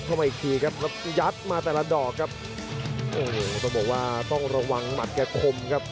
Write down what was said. มาอีกทีครับแล้วยัดมาแต่ละดอกครับโอ้โหต้องบอกว่าต้องระวังหมัดแกคมครับ